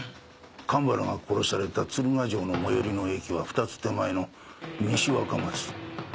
神原が殺された鶴ヶ城の最寄りの駅は２つ手前の西若松。